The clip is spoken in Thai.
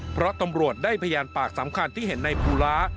เพราะตำรวจได้พยานปากสำคัญที่เห็นในภูลา